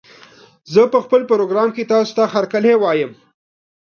زه په خپل پروګرام کې تاسې ته هرکلی وايم